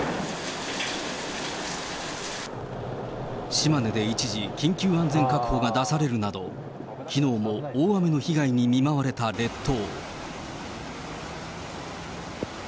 島根で一時、緊急安全確保が出されるなど、きのうも大雨の被害に見舞われた列島。